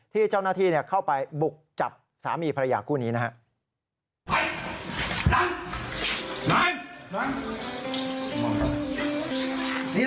ที่เจ้าหน้าที่เข้าไปบุกจับสามีภรรยาคู่นี้นะครับ